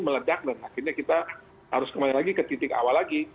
meledak dan akhirnya kita harus kembali lagi ke titik awal lagi